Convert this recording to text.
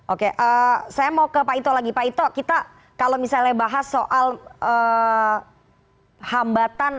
oke saya mau ke pak ito lagi pak ito kita kalau misalnya bahas soal hambatan